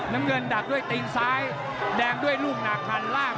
น้ำเงินดักด้วยตีนซ้ายแดงด้วยลูกหนักคันล่าง